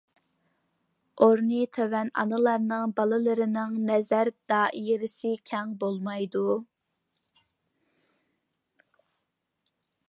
ئورنى تۆۋەن ئانىلارنىڭ بالىلىرىنىڭ نەزەر دائىرىسى كەڭ بولالمايدۇ.